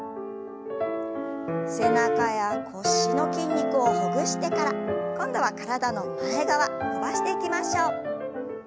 背中や腰の筋肉をほぐしてから今度は体の前側伸ばしていきましょう。